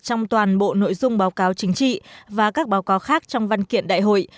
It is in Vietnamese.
trong toàn bộ nội dung báo cáo chính trị và các báo cáo khác trong văn kiện đại hội